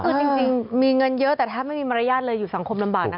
คือจริงมีเงินเยอะแต่แทบไม่มีมารยาทเลยอยู่สังคมลำบากนะคะ